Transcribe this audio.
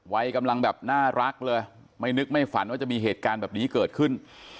วัยกำลังแบบน่ารักเลยไม่นึกไม่ฝันว่าจะมีเหตุการณ์แบบนี้เกิดขึ้น